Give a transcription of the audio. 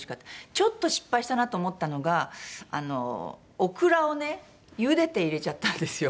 ちょっと失敗したなと思ったのがオクラをねゆでて入れちゃったんですよ。